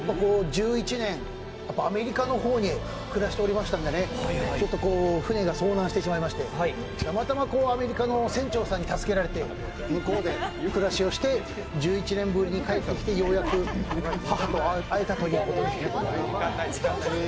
１１年、アメリカの方に暮らしておりましたのでね、船が遭難してしまいまして、たまたまアメリカの船長さんに助けられて向こうで暮らしをして１１年ぶりに帰ってきてようやく母と会えたということです。